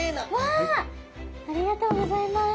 ありがとうございます。